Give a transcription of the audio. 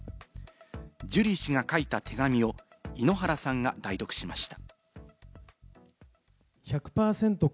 ジュリー氏が書いた手紙を井ノ原さんが代読しました。